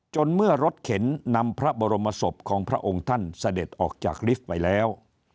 เมื่อรถเข็นนำพระบรมศพของพระองค์ท่านเสด็จออกจากลิฟต์ไปแล้ว